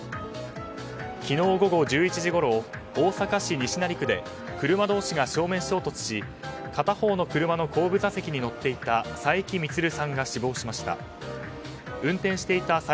昨日午後１１時ごろ大阪市西成区で車同士が正面衝突し片方の車の後部座席に乗っていた佐伯三鶴さんが死亡しました。